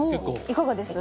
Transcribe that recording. いかがです？